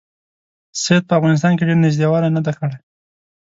سید په افغانستان کې ډېر نیژدې والی نه دی کړی.